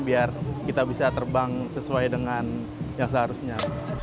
biar kita bisa terbang sesuai dengan yang seharusnya